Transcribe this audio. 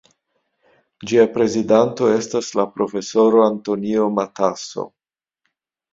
Ĝia prezidanto estas la profesoro Antonio Matasso.